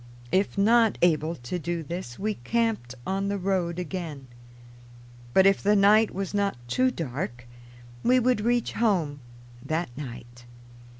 If not able to do this, we camped on the road again. But if the night was not too dark we would reach home that night.